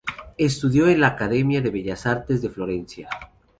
Estudió en la Academia de Bellas Artes de Florencia.